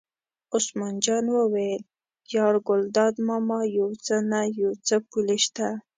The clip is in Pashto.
عثمان جان وویل: یار ګلداد ماما یو څه نه څه پولې شته.